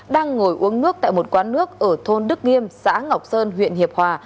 đang ngồi uống nước tại một quán nước ở thôn đức nghiêm xã ngọc sơn huyện hiệp hòa